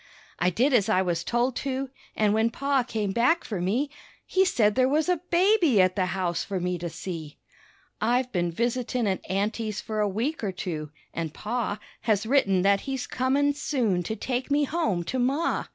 I did as I was told to, an' when Pa came back for me He said there was a baby at the house for me to see. I've been visitin' at aunty's for a week or two, an' Pa Has written that he's comin' soon to take me home to Ma.